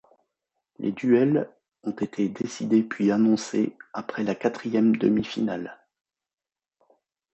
Les duels ont été décidés puis annoncés après la quatrième demi-finale.